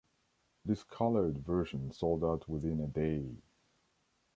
This coloured version sold out within a day.